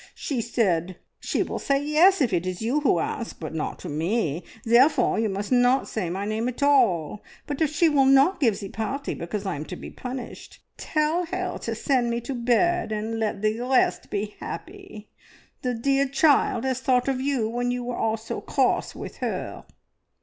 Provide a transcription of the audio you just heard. She said, `She will say Yes if it is you who ask, but not to me, therefore you must not say my name at all; but if she will not give the party because I am to be punished, tell her to send me to bed and let the rest be 'appy.' The dear child has thought of you when you were all so cross with her!"